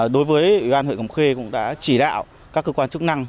đối với ủy ban hội cầm khê cũng đã chỉ đạo các cơ quan chức năng